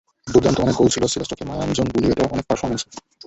দুর্দান্ত অনেক গোল ছিল, ছিল চোখে মায়াঞ্জন বুলিয়ে দেওয়া অনেক পারফরম্যান্সও।